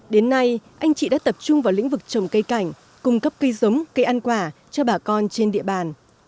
đến nay anh chị đã tập trung vào lĩnh vực trồng cây cảnh cung cấp cây giống cây ăn quả cho bà con trên địa bàn